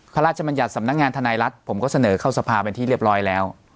บรรยัติสำนักงานธนายรัฐผมก็เสนอเข้าสภาเป็นที่เรียบร้อยแล้ว